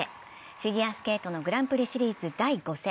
フィギュアスケートのグランプリシリーズ第５戦。